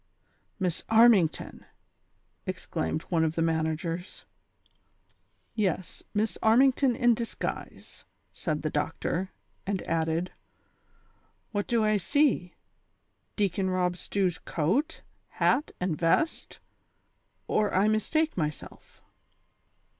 ''" Miss Armington !" exclaimed one of the managers. "Yes, Miss Armington in disguise," said the doctor; and added: "What do I see? Deacon Eob Stew's coat, hat and vest, or I mistake myself."